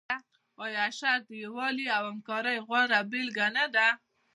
آیا اشر د یووالي او همکارۍ غوره بیلګه نه ده؟